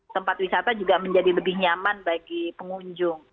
tempat wisata juga menjadi lebih nyaman bagi pengunjung